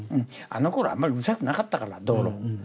あのころはあんまりうるさくなかったから道路。